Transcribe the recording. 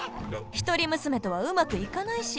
一人娘とはうまくいかないし。